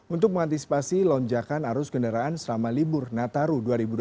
untuk mengantisipasi lonjakan arus kendaraan selama libur nataru dua ribu dua puluh